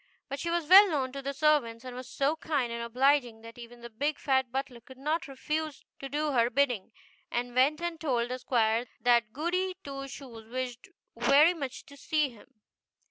But she was well known to the servants, and was so kind and obliging, that even the big fat butler could not refuse to do her bidding, and went and told the squire that Goody Two Shoes wished very much to see him.